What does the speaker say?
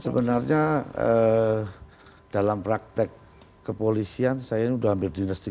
sebenarnya dalam praktek kepolisian saya ini sudah hampir tiga puluh dua tahun di kepolisian